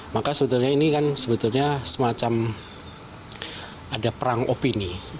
maka sebetulnya ini kan sebetulnya semacam ada perang opini